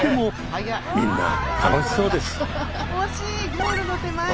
ゴールの手前で。